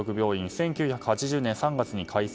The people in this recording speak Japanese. １９８０年３月に開設。